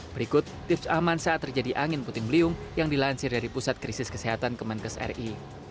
berikut tips aman saat terjadi angin puting beliung yang dilansir dari pusat krisis kesehatan kemenkes ri